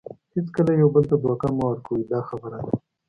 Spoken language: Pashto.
هیڅکله یو بل ته دوکه مه ورکوئ دا خبره ده.